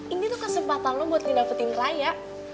ini tuh kesempatan lo buat nginefetin raya